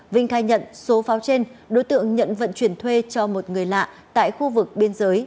vinh khai nhận số pháo trên đối tượng nhận vận chuyển thuê cho một người lạ tại khu vực biên giới